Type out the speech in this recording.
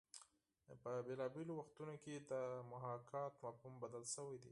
په بېلابېلو وختونو کې د محاکات مفهوم بدل شوی دی